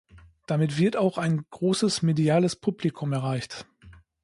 Damit wird auch ein großes „mediales Publikum“ erreicht.